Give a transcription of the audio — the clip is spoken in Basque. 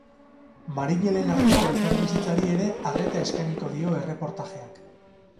Marinelen arteko elkarbizitzari ere arreta eskainiko dio erreportajeak.